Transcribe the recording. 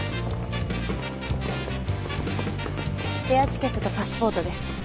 エアチケットとパスポートです。